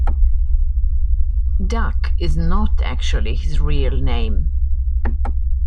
Duck is not actually his real name.